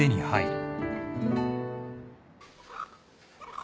はい。